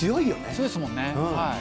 強いですもんね。